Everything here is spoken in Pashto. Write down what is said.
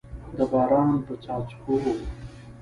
د باران په څاڅکو